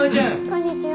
こんにちは。